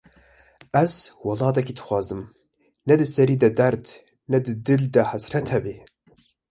Ez welatekî dixwazim, ne di serî de derd, ne di dil de hesret hebe